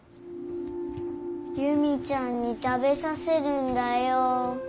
夕実ちゃんに食べさせるんだよ。